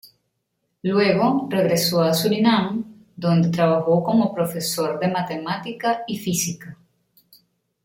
Luego regresó a Surinam donde trabajó como profesor de matemática y física.